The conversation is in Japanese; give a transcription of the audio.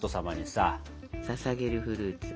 ささげるフルーツ。